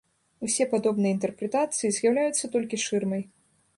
Усе падобныя інтэрпрэтацыі з'яўляюцца толькі шырмай.